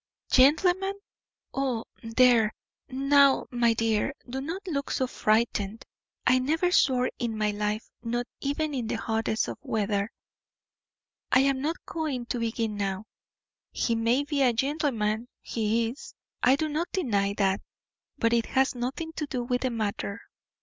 "Gentleman oh! There, now, my dear, do not look so frightened! I never swore in my life, not even in the hottest of weather. I am not going to begin now. He may be a gentleman he is, I do not deny that; but it has nothing to do with the matter.